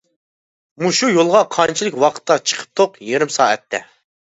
-مۇشۇ يولغا قانچىلىك ۋاقىتتا چىقىپتۇق؟ -يېرىم سائەتتە.